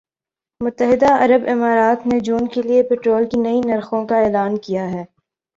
متحدہ عرب امارات نے جون کے لیے پٹرول کے نئے نرخوں کا اعلان کیا ہے